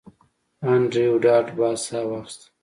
انډریو ډاټ باس ساه واخیسته